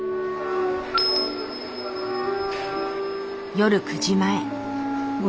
夜９時前。